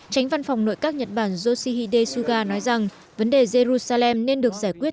tránh văn phòng nội các nhật bản yoshihide suga nói rằng vấn đề jerusalem nên được giải quyết